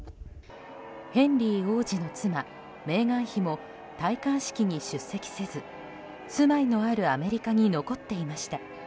ヘンリー王子の妻メーガン妃も戴冠式に出席せず住まいのあるアメリカに残っていました。